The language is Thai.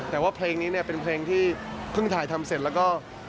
แต่ว่าเพลงนี้เนี่ยเป็นเพลงที่เพิ่งถ่ายทำเสร็จแล้วก็